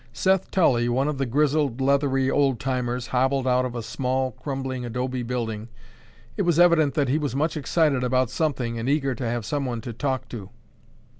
Seth Tully, one of the grizzled, leathery old timers, hobbled out of a small, crumbling adobe building. It was evident that he was much excited about something and eager to have someone to talk to.